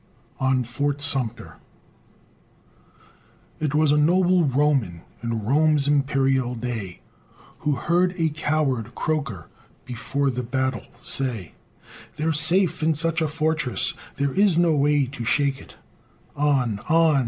ON FORT SUMTER It was a noble Roman, In Rome's imperial day, Who heard a coward croaker Before the battle say "They're safe in such a fortress; There is no way to shake it" "On, on!"